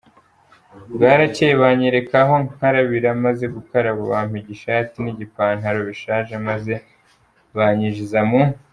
Bwarakeye banyereka aho nkarabira, maze gukaraba bampa igishati n’igipantalon bishaje maze banyinjiza mu.